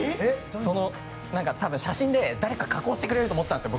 多分、写真で誰か加工してくれると思ったんです